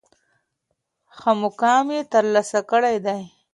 ښه مقام یې تر لاسه کړی دی.